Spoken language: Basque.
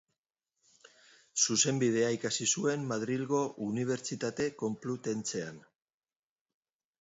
Zuzenbidea ikasi zuen Madrilgo Unibertsitate Konplutentsean.